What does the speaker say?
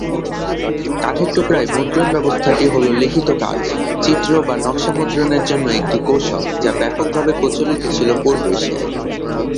কাঠের টুকরায় মুদ্রণ ব্যবস্থাটি হল লিখিত কাজ, চিত্র বা নকশা মুদ্রণের জন্য একটি কৌশল, যা ব্যাপকভাবে প্রচলিত ছিল পূর্ব এশিয়ায়।